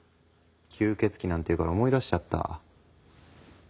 吸血鬼なんて言うから思い出しちゃった。